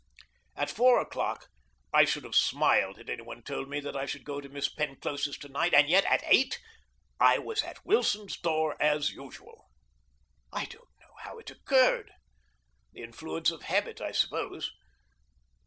At four o'clock I should have smiled had any one told me that I should go to Miss Penclosa's to night, and yet, at eight, I was at Wilson's door as usual. I don't know how it occurred. The influence of habit, I suppose.